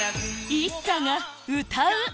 ＩＳＳＡ が歌う